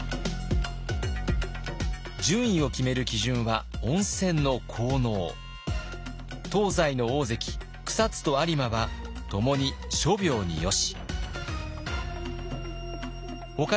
順位を決める基準は東西の大関草津と有馬はともに「諸病によし」。